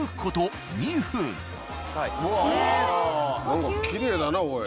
何かきれいだなおい。